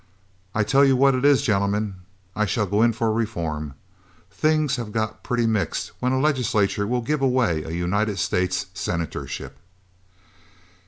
I tell you what it is, gentlemen, I shall go in for reform. Things have got pretty mixed when a legislature will give away a United States senatorship."